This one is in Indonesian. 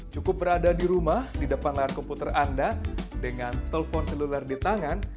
cukup berada di rumah di depan layar komputer anda dengan telpon seluler di tangan